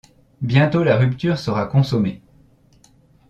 Bientôt la rupture sera consommée...